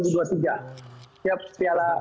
setiap perkembangan tiala asia